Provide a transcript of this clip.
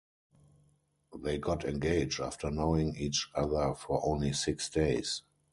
They got engaged after knowing each other for only six days.